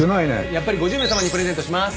やっぱり５０名様にプレゼントします。